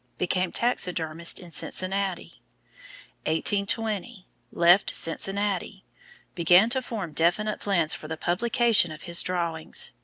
Became taxidermist in Cincinnati. 1820 Left Cincinnati. Began to form definite plans for the publication of his drawings.